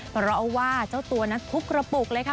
เพราะว่าเจ้าตัวนั้นทุบกระปุกเลยค่ะ